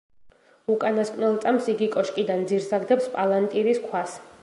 უკანასკნელ წამს იგი კოშკიდან ძირს აგდებს პალანტირის ქვას.